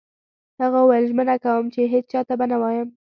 هغه وویل: ژمنه کوم چي هیڅ چا ته به نه وایم.